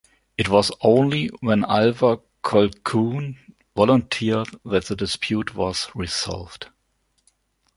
It was only when Alva Colquhoun volunteered that the dispute was resolved.